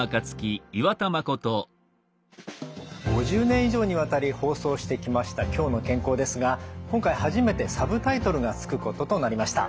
５０年以上にわたり放送してきました「きょうの健康」ですが今回初めてサブタイトルが付くこととなりました。